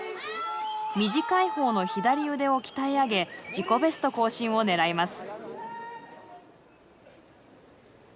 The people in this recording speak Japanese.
短い方の左腕を鍛え上げ自己ベスト更新を狙います。